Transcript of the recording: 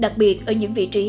đặc biệt ở những vị trí